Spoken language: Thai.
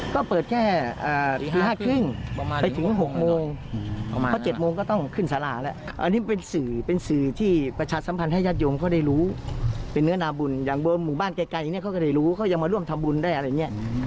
ก็เปิดแค่ตี๕๓๐ไปถึง๖โมงเพราะ๗โมงก็ต้องขึ้นสาราแล้วอันนี้เป็นสื่อเป็นสื่อที่ประชาสัมพันธ์ให้ญาติโยมเขาได้รู้เป็นเนื้อนาบุญอย่างเบอร์หมู่บ้านไกลเนี่ยเขาก็ได้รู้เขายังมาร่วมทำบุญได้อะไรอย่างนี้